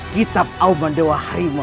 ini dia kitab auman dewa hrimel